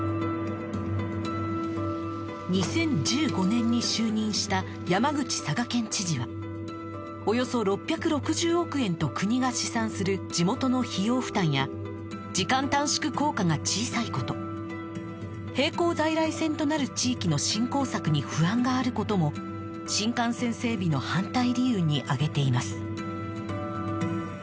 ２０１５年に就任した山口佐賀県知事はおよそ６６０億円と国が試算する地元の費用負担や時間短縮効果が小さいこと並行在来線となる地域の振興策に不安があることも新幹線整備の反対理由に挙げています